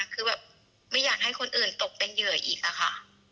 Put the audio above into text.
คือแบบไม่อยากให้คนอื่นตกเป็นเหยื่ออีกอะค่ะ